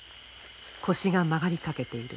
腰が曲がりかけている。